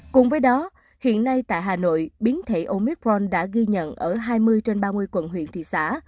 cùng với đó hiện nay tại hà nội biến thể omicron đã ghi nhận ở hai mươi trên ba mươi quận huyện thị xã